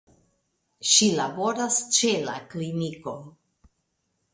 Ŝi laboras ĉe la kliniko.